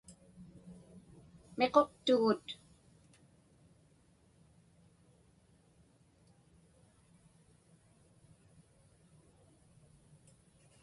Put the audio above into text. Miquqtugut.